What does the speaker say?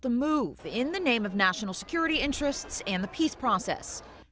untuk menghentikan pergerakan di nama kepentingan keamanan dan proses keamanan